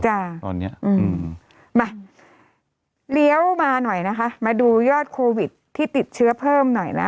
ตอนเนี้ยอืมมาเลี้ยวมาหน่อยนะคะมาดูยอดโควิดที่ติดเชื้อเพิ่มหน่อยนะ